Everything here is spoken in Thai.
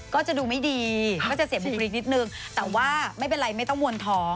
ก็จะดูไม่ดีก็จะเสียบุคลิกนิดนึงแต่ว่าไม่เป็นไรไม่ต้องวนท้อง